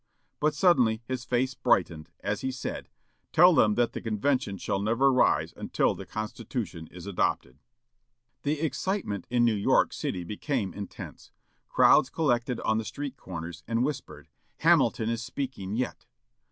But suddenly his face brightened, as he said, "Tell them that the convention shall never rise until the Constitution is adopted." The excitement in New York city became intense. Crowds collected on the street corners, and whispered, "Hamilton is speaking yet!"